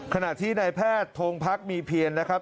ขณะที่นายแพทย์ทงพักมีเพียรนะครับ